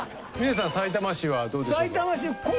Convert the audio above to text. さいたま市はどうでしょうか？